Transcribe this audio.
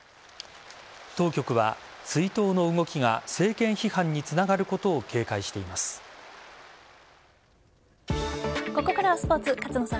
当局は追悼の動きが政権批判につながることをここからはスポーツ。